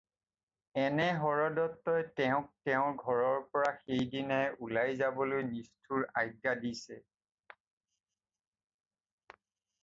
এনে হৰদত্তই তেওঁক তেওঁৰ ঘৰৰপৰা সেইদিনাই ওলাই যাবলৈ নিষ্ঠুৰ আজ্ঞা দিছে।